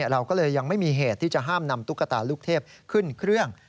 เราก็เลยยังไม่มีเหตุที่จะห้ามนำตุ๊กตาลูกเทพขึ้นเครื่อง